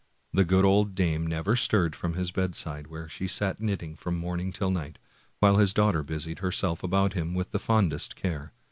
The good old dame never stirred from his bedside, where she sat knitting from morning till night, while his daughter busied herself about him with the fondest care.